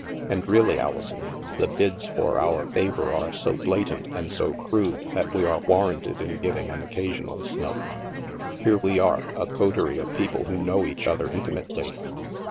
And really, Alison, the bids for our favor are so blatant and so crude that we are warranted in giving an occasional snub. Here we are, a coterie of people who know each other intimately.